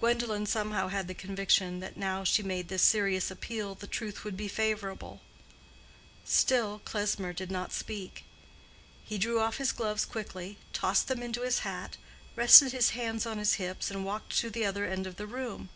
Gwendolen somehow had the conviction that now she made this serious appeal the truth would be favorable. Still Klesmer did not speak. He drew off his gloves quickly, tossed them into his hat, rested his hands on his hips, and walked to the other end of the room.